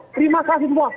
terima kasih semua